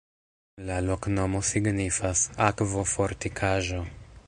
La loknomo signifas: akvo-fortikaĵo.